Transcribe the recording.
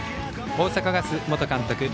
大阪ガス元監督